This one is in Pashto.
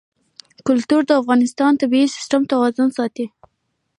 کلتور د افغانستان د طبعي سیسټم توازن ساتي.